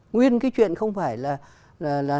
nguyên cái chuyện không phải là